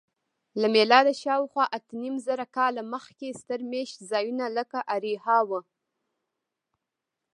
له میلاده شاوخوا اتهنیمزره کاله مخکې ستر میشت ځایونه لکه اریحا وو.